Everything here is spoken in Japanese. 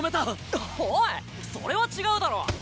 おいそれは違うだろ！